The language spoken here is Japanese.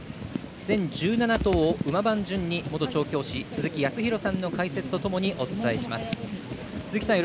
全１７頭を馬番順に元調教師・鈴木康弘さんの解説とともにお伝えします。